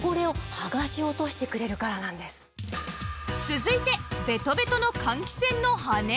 続いてベトベトの換気扇の羽根